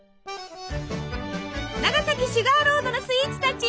長崎シュガーロードのスイーツたち！